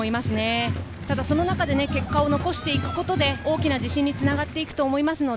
その中で結果を残していくことで、大きな自信につながっていくと思います。